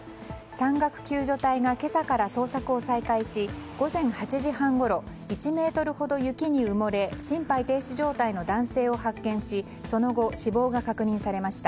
山岳救助隊が今朝から捜索を再開し午前８時半ごろ１ｍほど雪に埋もれ心肺停止状態の男性を発見しその後、死亡が確認されました。